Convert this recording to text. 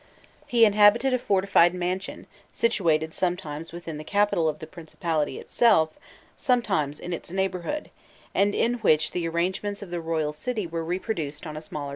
He inhabited a fortified mansion, situated sometimes within the capital of the principality itself, sometimes in its neighbourhood, and in which the arrangements of the royal city were reproduced on a smaller scale.